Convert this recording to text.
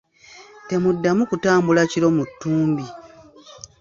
Temuddamu kutambula kiro mu ttumbi.